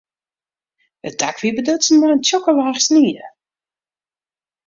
It dak wie bedutsen mei in tsjokke laach snie.